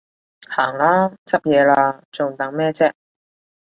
行啦，執嘢喇，仲等咩啫？